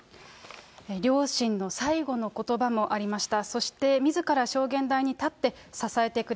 両親の最後のことばもありました。